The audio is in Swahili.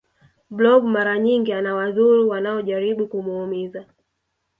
blob mara nyingi anawadhuru wanaojaribu kumuumiza